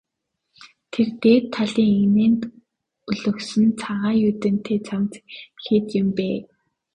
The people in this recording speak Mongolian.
Тэр дээд талын эгнээнд өлгөсөн цагаан юүдэнтэй цамц хэд юм бэ?